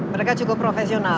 mereka cukup profesional ya